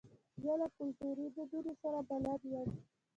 زه له کلتوري دودونو سره بلد یم.